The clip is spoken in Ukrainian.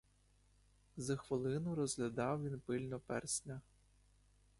З хвилину розглядав він пильно персня.